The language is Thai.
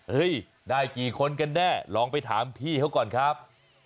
ได้กี่คนกันแน่ลองไปถามพี่เขาก่อนครับ